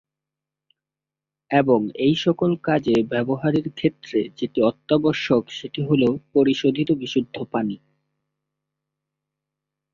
এবং এইসকল কাজে ব্যবহারের ক্ষেত্রে যেটি অত্যাবশ্যক সেটি হল পরিশোধিত বিশুদ্ধ পানি।